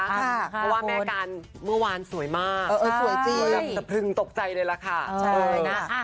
เพราะว่าแม่การเมื่อวานสวยมากสวยจริงตกใจเลยละค่ะ